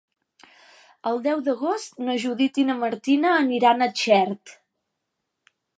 El deu d'agost na Judit i na Martina aniran a Xert.